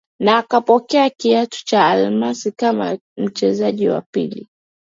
Na akapokea kiatu cha Almasi kama mchezaji wa pili